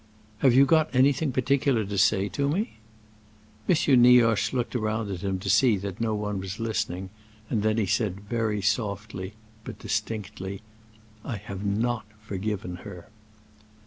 "Have you got anything particular to say to me?" M. Nioche looked around him to see that no one was listening, and then he said, very softly but distinctly, "I have not forgiven her!"